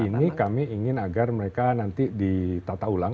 ini kami ingin agar mereka nanti ditata ulang